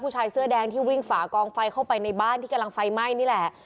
ชายเสื้อแดงที่วิ่งฝากองไฟเข้าไปในบ้านที่กำลังไฟไหม้นี่แหละ